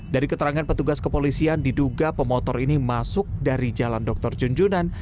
dari keterangan petugas kepolisian diduga pemotor ini masuk dari jalan dr junjunan